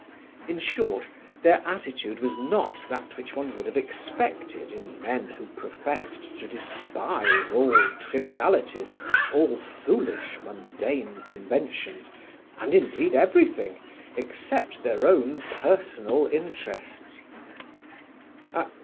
In short, their attitude was not that which one would have expected in men who professed to despise all trivialities, all foolish mundane conventions, and indeed everything, except their own personal interests.